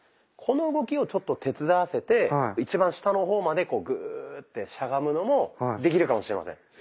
この動きをちょっと手伝わせて一番下の方までこうグーッてしゃがむのもできるかもしれません。